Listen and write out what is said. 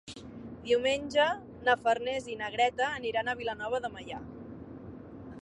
Diumenge na Farners i na Greta aniran a Vilanova de Meià.